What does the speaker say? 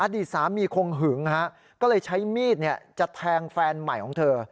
ดีสามีคงหึงก็เลยใช้มีดจะแทงแฟนใหม่ของเธอ